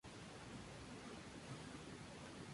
El libreto fue escrito por Louis Theodor von Tschudi.